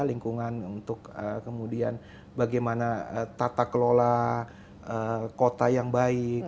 lingkungan untuk kemudian bagaimana tata kelola kota yang baik